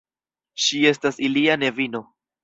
Ŝi estas ilia nevino.